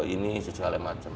ini segala macam